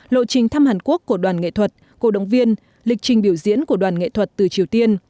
lộ trình thăm hàn quốc của đoàn nghệ thuật cổ động viên lịch trình biểu diễn của đoàn nghệ thuật từ triều tiên